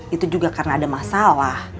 itu juga karena ada masalah